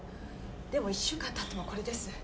でも１週間経ってもこれです。